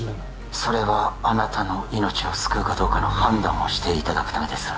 それはあなたの命を救うかどうかの判断をしていただくためです